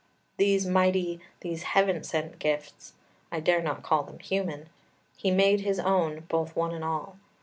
These mighty, these heaven sent gifts (I dare not call them human), he made his own both one and all.